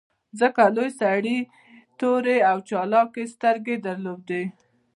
ځکه لوی سړي تورې او چالاکې سترګې درلودې